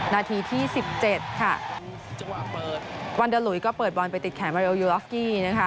นาทีที่สิบเจ็ดค่ะวันด่าหลุยก็เปิดบอลไปติดแขนวันด่าหลุยนะคะ